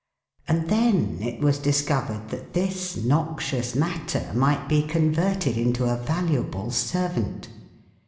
And then it was discovered that this noxious matter might be converted into a valuable servant.